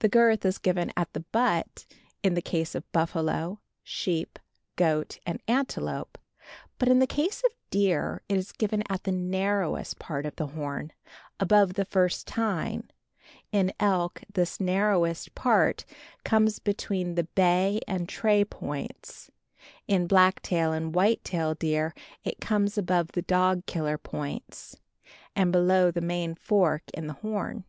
The girth is given at the butt in the case of buffalo, sheep, goat and antelope; but in the case of deer it is given at the narrowest part of the horn, above the first tine; in elk this narrowest part comes between the bay and tray points; in blacktail and whitetail deer it comes above the "dog killer" points, and below the main fork in the horn.